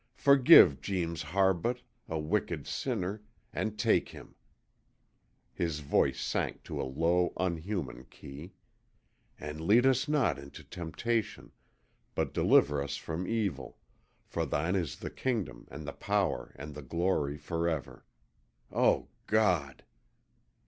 Forgive Jeems Harbutt, a wicked sinner, and take him,' his voice sank to a low, unhuman key, 'and lead us not into temptation, but deliver us from evil, for thine is the kingdom and the power and the glory, forever O God!'